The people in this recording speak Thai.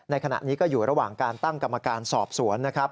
ขณะนี้ก็อยู่ระหว่างการตั้งกรรมการสอบสวนนะครับ